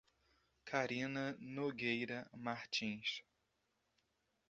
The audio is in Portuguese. Carina Nogueira Martins